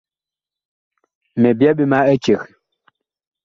Mi byɛɛ ɓe ma eceg.